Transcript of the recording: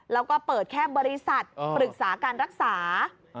แล้วก็เปิดแค่บริษัทปรึกษาการรักษา